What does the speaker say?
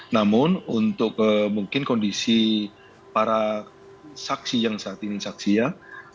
namun untuk mungkin kondisi para saksi yang saat ini saksi ya